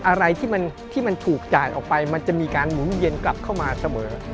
อะไรที่มันถูกจ่ายออกไปมันจะมีการหมุนเวียนกลับเข้ามาเสมอ